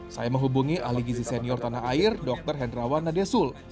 saya menghubungi ahli gizi senior tanah air dr hendrawan nadesul